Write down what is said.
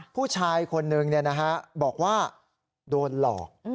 ผู้ชายคนนึงเนี่ยนะฮะบอกว่าโดนหลอก